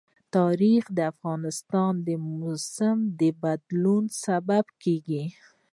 تاریخ د افغانستان د موسم د بدلون سبب کېږي.